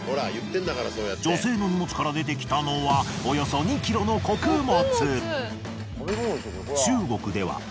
女性の荷物から出てきたのはおよそ２ｋｇの穀物。